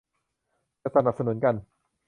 จะสนับสนุนกัน